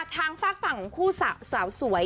ทางฝากฝั่งของคู่สาวสวย